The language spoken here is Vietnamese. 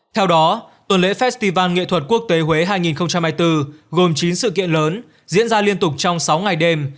theo đó tuần lễ festival nghệ thuật quốc tế huế hai nghìn hai mươi bốn gồm chín sự kiện lớn diễn ra liên tục trong sáu ngày đêm